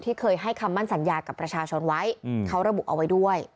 เคยให้คำมั่นสัญญากับประชาชนไว้เขาระบุเอาไว้ด้วย